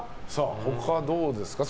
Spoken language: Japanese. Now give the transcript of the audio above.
他どうですか？